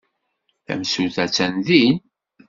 Tamsulta attan din.